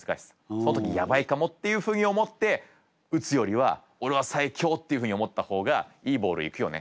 その時「やばいかも」っていうふうに思って打つよりは「オレは最強！」っていうふうに思った方がいいボール行くよね。